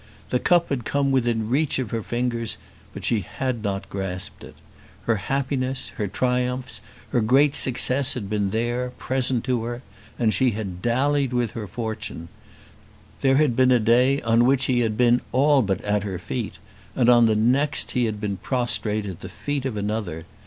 The cup had come within the reach of her fingers, but she had not grasped it. Her happiness, her triumphs, her great success had been there, present to her, and she had dallied with her fortune. There had been a day on which he had been all but at her feet, and on the next he had been prostrate at the feet of another.